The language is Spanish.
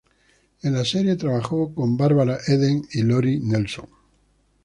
En la serie trabajó con Barbara Eden y Lori Nelson.